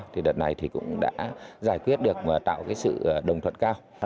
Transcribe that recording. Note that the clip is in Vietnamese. thì đợt này cũng đã giải quyết được và tạo sự đồng thuận cao